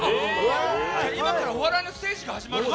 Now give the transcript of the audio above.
今からお笑いのステージが始まるの？